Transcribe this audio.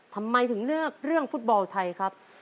ทำไมถึงเลือกเรื่องฟุตบอลไทยครับ